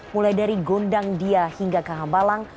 mulai dari gondang dia hingga kaha balang